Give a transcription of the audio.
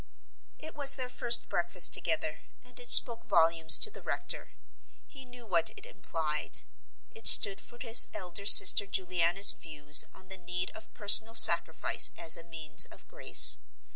It was their first breakfast together, and it spoke volumes to the rector. He knew what it implied. It stood for his elder sister Juliana's views on the need of personal sacrifice as a means of grace.